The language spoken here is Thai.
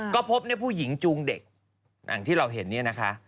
ก็พบภูหญิงชูงเด็กที่เราเห็นนี้นะคะ